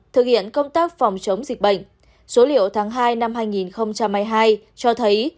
thực hiện công tác phòng chống dịch bệnh số liệu tháng hai năm hai nghìn hai mươi hai cho thấy